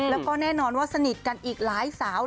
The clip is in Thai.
แล้วก็แน่นอนว่าสนิทกันอีกหลายสาว